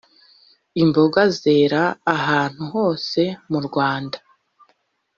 imboga zera ahantu hose mu rwanda.